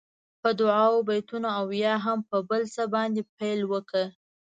په دعاوو، بېتونو او یا هم په بل څه باندې پیل وکړه.